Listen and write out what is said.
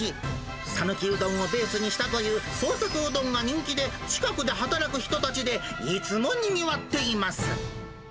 讃岐うどんをベースにしたという、創作うどんが人気で、近くで働く人たちでいつもにぎわっています。